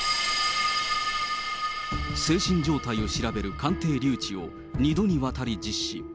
精神状態を調べる鑑定留置を２度にわたり実施。